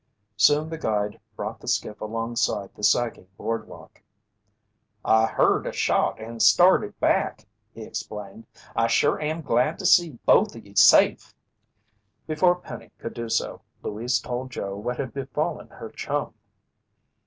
Soon the guide brought the skiff alongside the sagging boardwalk. "I heard a shot and started back," he explained. "I sure am glad to see both o' ye safe." Before Penny could do so, Louise told Joe what had befallen her chum.